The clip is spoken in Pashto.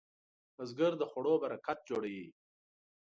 بزګر د خوړو برکت جوړوي